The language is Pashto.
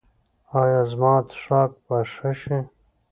ایا زما څښاک به ښه شي؟